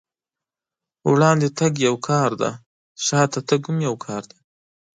وړاندې تګ يو کار دی، شاته تګ هم يو کار دی.